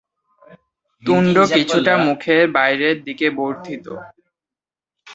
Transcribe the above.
তুণ্ড কিছুটা মুখের বাইরের দিকে বর্ধিত।